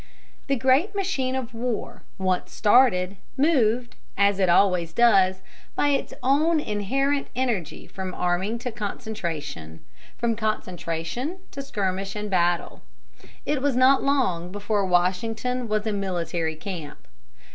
The great machine of war, once started, moved, as it always does, by its own inherent energy from arming to concentration, from concentration to skirmish and battle. It was not long before Washington was a military camp.